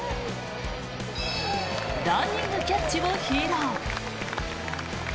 ランニングキャッチを披露。